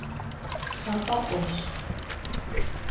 Лъапӏэӏуэщ.